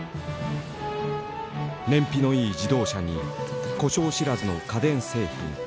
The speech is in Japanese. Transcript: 燃費のいい自動車に故障知らずの家電製品。